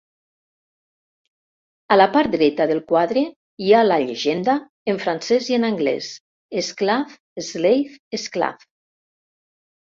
A la part dreta del quadre, hi ha la llegenda en francès i en anglès "Esclave, Slave, Esclave".